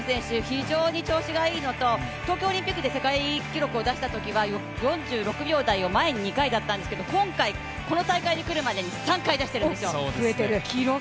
非常に調子がいいのと、東京オリンピックで世界記録を出したときは４６秒台を前に２回出したんですけど今回、この大会に来るまでに３回、出してるんですよ。